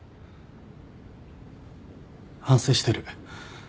反省してる。